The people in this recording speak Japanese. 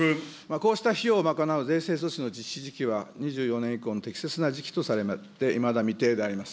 こうした費用を賄う税制措置の実施時期は、２４年以降の適切な時期とされて、いまだ未定であります。